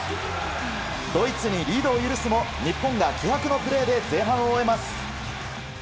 ドイツにリードを許すも、日本が気迫のプレーで前半を終えます。